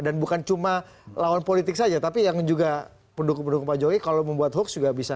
dan bukan cuma lawan politik saja tapi yang juga pendukung pendukung pak jogi kalau membuat hoax juga bisa